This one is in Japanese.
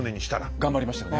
頑張りましたよね。